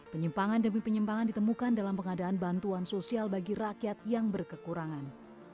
penyimpangan demi penyimpangan ditemukan dalam pengadaan bantuan sosial bagi rakyat yang berkekurangan